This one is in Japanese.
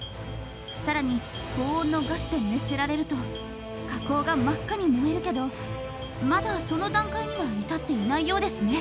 更に高温のガスで熱せられると火口が真っ赤に燃えるけどまだその段階には至っていないようですね。